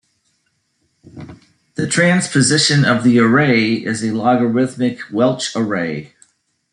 The transposition of the array is a logarithmic Welch array.